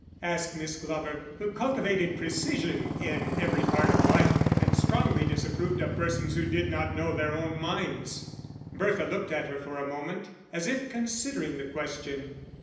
asked Miss Glover, who cultivated precision in every part of life and strongly disapproved of persons who did not know their own minds. Bertha looked at her for a moment, as if considering the question.